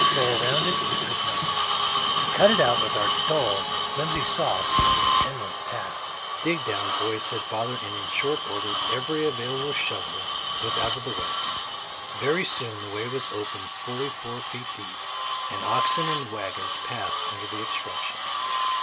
Go around it we could not; to cut it out with our dulled, flimsy saw seemed an endless task. "Dig down, boys," said father, and in short order every available shovel was out of the wagons. Very soon the way was open fully four feet deep, and oxen and wagons passed under the obstruction.